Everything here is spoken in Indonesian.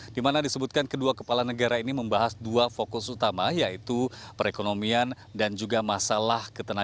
dimana disebutkan kedua kepala negara ini membahas dua fokus utama yaitu perekonomian dan juga masalah